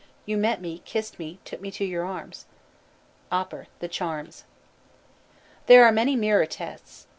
You met me, kissed me, took me to your arms!" OPPER: The Charms. There are many mirror tests.